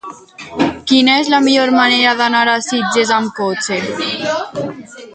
Quina és la millor manera d'anar a Sitges amb cotxe?